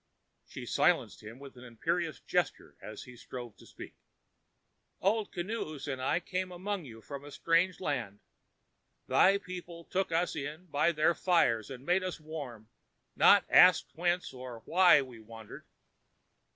She silenced him with an imperious gesture as he strove to speak. "Old Kinoos and I came among you from a strange land. Thy people took us in by their fires and made us warm, nor asked whence or why we wandered.